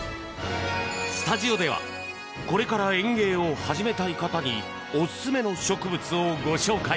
スタジオではこれから園芸を始めたい方におすすめの植物をご紹介。